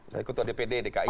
saya ketua dpd dki